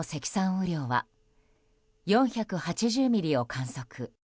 雨量は４８０ミリを観測。